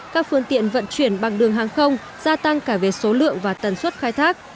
các phương tiện vận chuyển bằng đường hàng không gia tăng cả về số lượng và tần suất khai thác